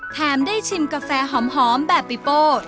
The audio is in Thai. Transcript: แถมได้ชิมกาแฟหอมแบบปิโป้